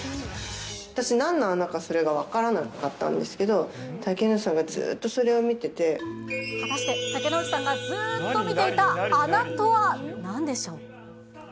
私、なんの穴かそれが分からなかったんですけど、竹野内さんが、果たして、竹野内さんがずーっと見ていた穴とはなんでしょう。